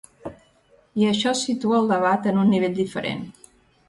I això situa el debat en un nivell diferent.